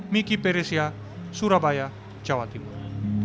miki peresia surabaya jawa timur